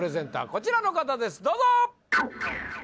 こちらの方ですどうぞ！